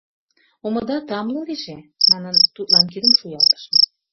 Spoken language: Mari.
— Омыда тамле лийже, — манын, тудлан кидым шуялтышым.